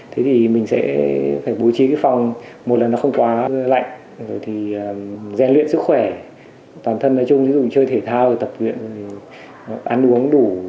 thì mình sẽ khỏe lên nó sẽ đỡ bị hơn